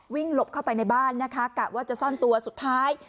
หลบเข้าไปในบ้านนะคะกะว่าจะซ่อนตัวสุดท้าย